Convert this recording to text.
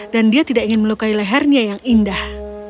dia tidak ingin melukai lehernya yang indah